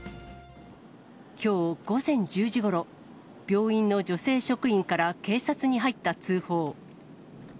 きょう午前１０時ごろ、病院の女性職員から警察に入った通報。